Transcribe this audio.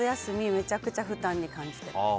めちゃくちゃ負担に感じてました。